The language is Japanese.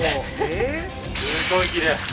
すごいきれい。